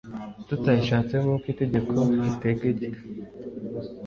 tutayishatse nk uko itegeko ritegeka